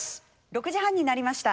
６時半になりました。